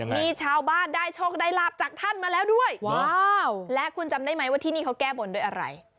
มีชาวบ้านได้โชคได้ลาบจากท่านมาแล้วด้วยว้าวและคุณจำได้ไหมว่าที่นี่เขาแก้บนด้วยอะไร